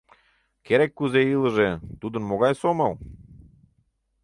Керек-кузе илыже, тудын могай сомыл?